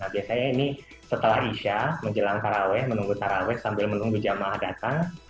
biasanya ini setelah isya menjelang taraweh menunggu taraweh sambil menunggu jamaah datang